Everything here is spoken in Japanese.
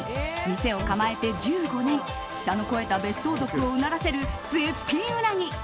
店を構えて１５年舌の肥えた別荘族をうならせる絶品うなぎ。